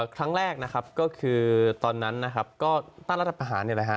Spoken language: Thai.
ครั้งแรกนะครับก็คือตอนนั้นต้านรัฐประหาร